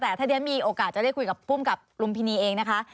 แต่ถ้าเดี๋ยวมีโอกาสจะได้คุยกับภูมิกับลุมพินีเองนะคะ